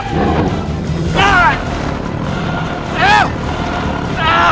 dia berada di luar sana